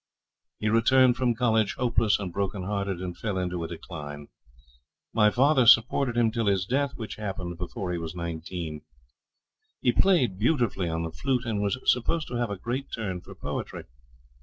He returned from college hopeless and brokenhearted, and fell into a decline. My father supported him till his death, which happened before he was nineteen. He played beautifully on the flute, and was supposed to have a great turn for poetry.